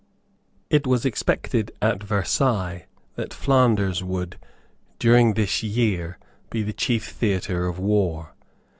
It was expected at Versailles that Flanders would, during this year, be the chief theatre of war.